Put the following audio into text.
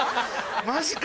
マジか。